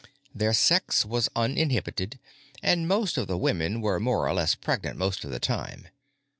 Their sex was uninhibited and most of the women were more or less pregnant most of the time.